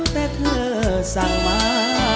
แต่เธอสั่งมา